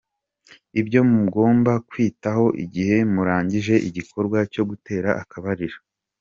Ibyo mugomba kwitaho igihe murangije igikorwa cyo gutera akabariro.